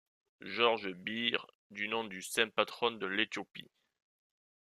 George Beer, du nom du saint patron de l'Éthiopie.